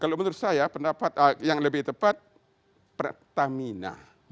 kalau menurut saya pendapat yang lebih tepat pertamina